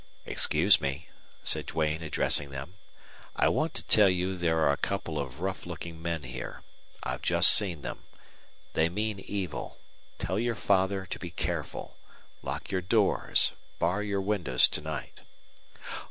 "Excuse me," said Duane, addressing them. "I want to tell you there are a couple of rough looking men here. I've just seen them. They mean evil. Tell your father to be careful. Lock your doors bar your windows to night."